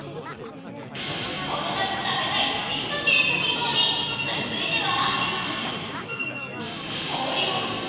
この夏食べたい進化系かき氷続いては。